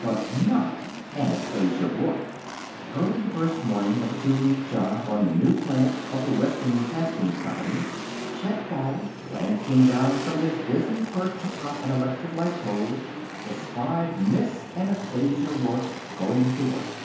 But not Anastasia Rourke. Early the first morning of a two week job on the new plant of the Western Castings Company, Chet Ball, glancing down from his dizzy perch atop an electric light pole, espied Miss Anastasia Rourke going to work.